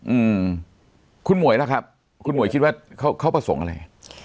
อืมคุณหมวยล่ะครับคุณหมวยคิดว่าเขาเขาประสงค์อะไร